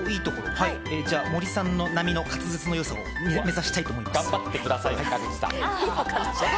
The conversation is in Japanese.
森さん並みの滑舌を目指したいと思います。